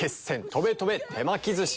『とべとべ手巻き寿司』。